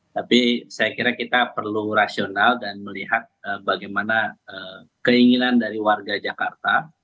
tapi saya kira kita perlu rasional dan melihat bagaimana keinginan dari warga jakarta